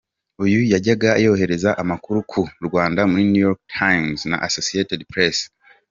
Uyu yajyaga yohereza amakuru ku Rwanda muri New York Times na Associated Press.